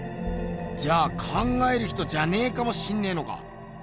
じゃあ「考える人」じゃねえかもしんねえのか。